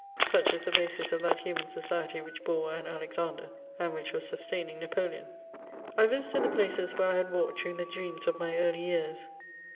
Such is the basis of that human society which bore an Alexander, and which was sustaining Napoleon. I visited the places where I had walked during the dreams of my early years.